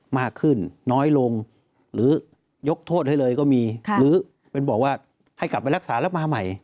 มากขึ้นน้อยลงหรือยกโทษให้เลยก็มีหรือเป็นบอกว่าให้กลับไปรักษาแล้วมาใหม่